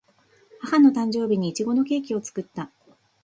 母の誕生日にいちごのケーキを作った